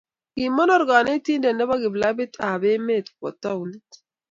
Kimonor konetinte ne bo klabit ab emet kowo taonit.